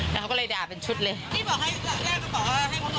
แล้วเขาก็เลยด่าเป็นชุดเลย